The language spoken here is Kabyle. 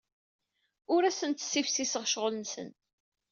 Ur asent-ssifsiseɣ ccɣel-nsen.